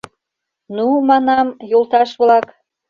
— Ну, манам, йолташ-влак...